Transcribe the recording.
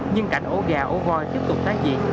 nhưng cảnh ổ gà ổ voi tiếp tục tác diện